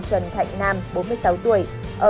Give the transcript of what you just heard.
trần thạnh nam bốn mươi sáu tuổi